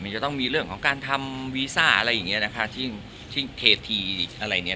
มันจะต้องมีเรื่องของการทำวีซ่าอะไรอย่างเงี้ยนะคะที่เททีอะไรเนี่ย